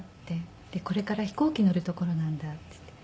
「でこれから飛行機乗るところなんだ」って言って。